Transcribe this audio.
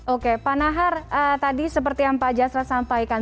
oke pak nahar tadi seperti yang pak jasrat sampaikan